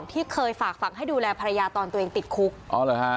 ที่เคยฝากฝังให้ดูแลภรรยาตอนตัวเองติดคุกอ๋อเหรอฮะ